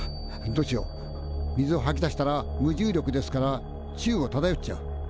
どうしよう」水をはき出したら無重力ですから宙をただよっちゃう。